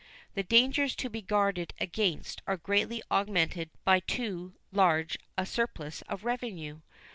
The dangers to be guarded against are greatly augmented by too large a surplus of revenue.